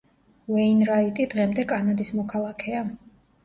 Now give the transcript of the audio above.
უეინრაიტი დღემდე კანადის მოქალაქეა.